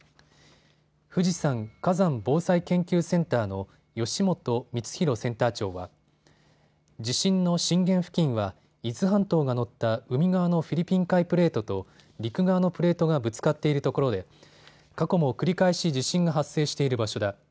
富士山火山防災研究センターの吉本充宏センター長は地震の震源付近は伊豆半島が乗った海側のフィリピン海プレートと陸側のプレートがぶつかっているところで過去も繰り返し地震が発生している場所だ。